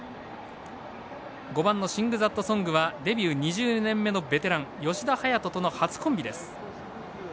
５番シングザットソングはデビュー２０年目のベテラン吉田隼人との初コンビです。